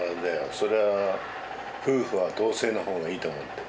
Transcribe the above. そりゃあ夫婦は同姓の方がいいと思ってるよ。